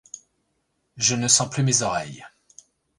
Je ne sens plus mes oreilles.